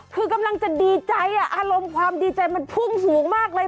คือกำลังจะดีใจอารมณ์ความดีใจมันพุ่งสูงมากเลย